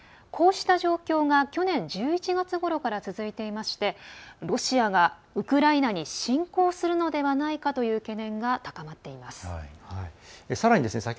こうした状況が去年１１月ごろから続いていましてロシアがウクライナに侵攻するのではないかという懸念が高まっています。